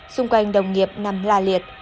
xung quanh đồng nghiệp nằm la liệt